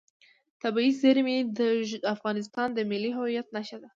طبیعي زیرمې د افغانستان د ملي هویت نښه ده.